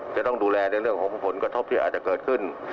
จะต้องดูแลในเรื่องของผลกระทบที่อาจจะเกิดขึ้น